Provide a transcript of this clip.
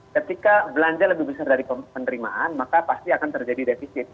ketika belanja lebih besar dari penerimaan maka pasti akan terjadi defisit